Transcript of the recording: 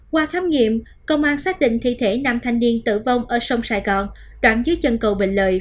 qua khám nghiệm công an xác định thi thể nam thanh niên tử vong ở sông sài gòn đoạn dưới chân cầu bình lợi